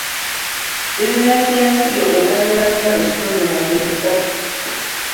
Bizinensi y’ensigo eganyula nnyo ekitundu mu ngeri ssatu.